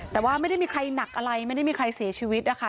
แต่ว่าไม่ได้มีใครหนักอะไรไม่ได้มีใครเสียชีวิตนะคะ